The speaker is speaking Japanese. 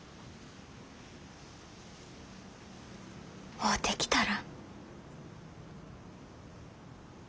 会うてきたら？